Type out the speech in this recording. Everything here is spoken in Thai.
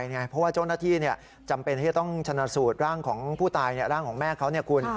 เพราะว่าเจ้าหน้าที่จำเป็นที่จะต้องชนะสูตรร่างของผู้ตายร่างของแม่เขาเนี่ยคุณ